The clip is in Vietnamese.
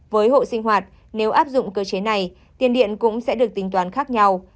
với hộ sinh hoạt nếu áp dụng cơ chế này tiền điện cũng sẽ được tính toán khác nhau